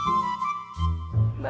baru rum mau ngajar